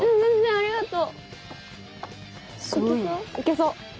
ありがとう。